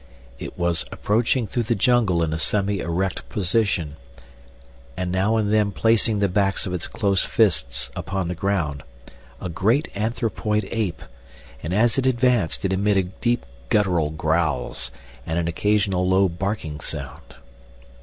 It was approaching through the jungle in a semi erect position, now and then placing the backs of its closed fists upon the ground—a great anthropoid ape, and, as it advanced, it emitted deep guttural growls and an occasional low barking sound.